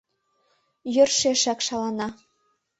Йӧршешак шалана.